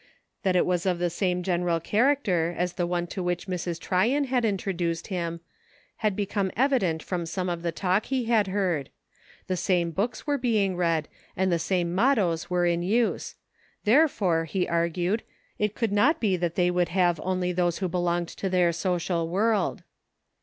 That it was of the same general character as the one to which Mrs. Tryon had in troduced him, had become evident from some of the talk he had heard. The same books were be ing read, and the same mottoes were in use ; there fore, he argued, it could not be that they would have only those who belonged to their social world.